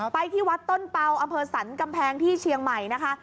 ไปที่วัดต้นเปล่าอำเภอสรรกำแพงที่เชียงใหม่นะคะ